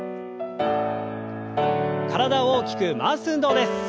体を大きく回す運動です。